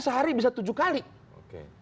sehari bisa tujuh kali oke